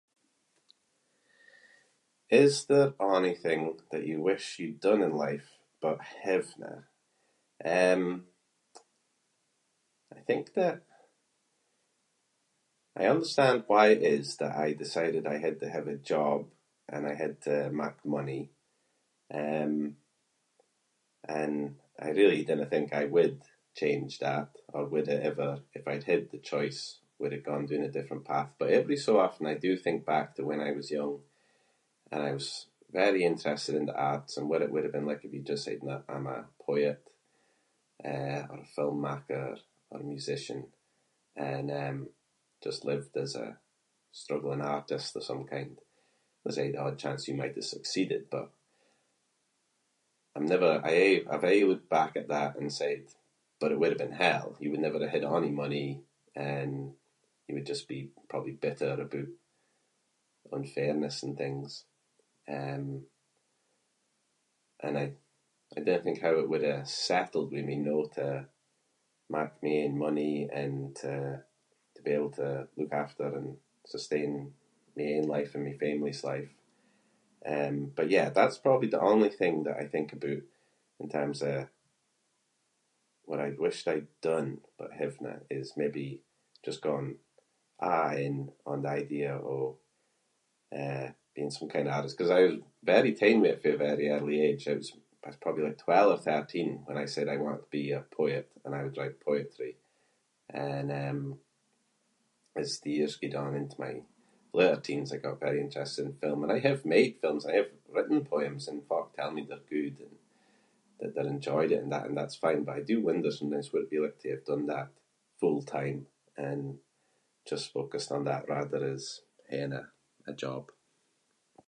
"Is there onything that you wish you’d done in life but havenae? Um, I think that- I understand why it is that I decided I had to have a job and I had to mak money, um, and I really dinna think I would change that or would've ever if I'd had the choice would’ve gone doon a different path but every so often I do think back to when I was young and I was very interested in the arts and what it would’ve been like if you’d just said “nah, I’m a poet"", eh, or a film maker, or a musician and, um, just lived as a struggling artist of some kind. There's aie the odd chance you might’ve succeeded but I’m never- I aie- I've aie looked back at that and said “but it would’ve been hell”. You would never've had ony money and you would just be probably bitter aboot unfairness and things. Um, and I- I dinna think how it would’ve settled with me no to mak my own money and to- to be able to look after and sustain my own life and my family’s life. Um, but yeah, that’s probably the only thing that I think aboot in terms of what I'd wished I’d done but havenae is maybe just going ""aye"" and- on the idea of, eh, being some kind of artist 'cause I was very taen with it fae a very early age. I was- I was probably like twelve or thirteen when I said I wanted to be a poet and I would write poetry. And, um, as the years gied on into my later teens I got very interested in film- and I have made films, I have written poems and folk tell me they’re good and that they’re enjoyed it and that and that’s fine, but I do wonder sometimes what it'd been like to have done that full-time and just focussed on that rather as haeing a- a job."